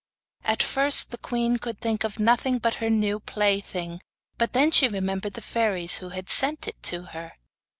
At first the queen could think of nothing but her new plaything, but then she remembered the fairies who had sent it to her.